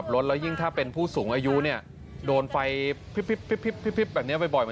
หรือแจ้งผู้ที่มาถ่ายคลิปนี้นะคะ